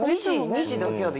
２字だけやで。